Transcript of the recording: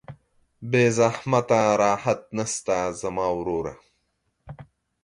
بې زحمته راحت نسته زما وروره